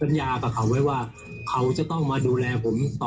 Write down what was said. กับเขาไว้ว่าเขาจะต้องมาดูแลผมต่อ